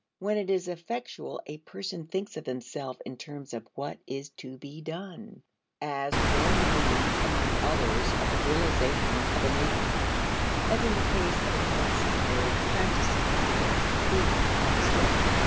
When it is effectual a person thinks of himself in terms of what is to be done, as one means among others of the realization of an end as in the case of a tennis player practicing to get the "feel" of a stroke.